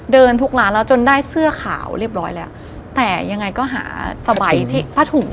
ทุกร้านแล้วจนได้เสื้อขาวเรียบร้อยแล้วแต่ยังไงก็หาสบายที่ผ้าถุง